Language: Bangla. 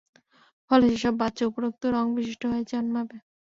ফলে সে সব বাচ্চা উপরোক্ত রং-বিশিষ্ট হয়ে জন্মাবে।